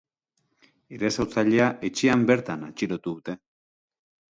Erasotzailea etxean bertan atxilotu dute.